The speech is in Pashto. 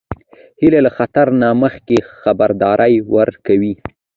هیلۍ له خطر نه مخکې خبرداری ورکوي